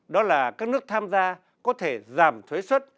đó là các nước tham gia có thể giảm thuế xuất